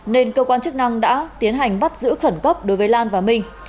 nên cơ quan chức năng đã tiến hành bắt giữ khẩn cấp đối với lan và minh